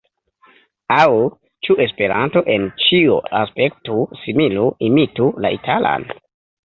Aŭ ĉu Esperanto en ĉio aspektu, similu, imitu la italan?